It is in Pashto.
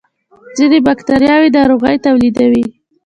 ځینې بکتریاوې ناروغۍ تولیدوي